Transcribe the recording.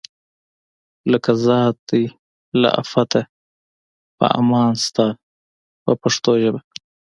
لکه ذات دی له آفته په امان ستا په پښتو ژبه.